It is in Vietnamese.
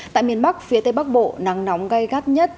tại miền bắc phía tây bắc bộ nắng nóng gai gắt nhất